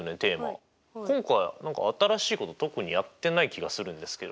今回何か新しいこと特にやってない気がするんですけど。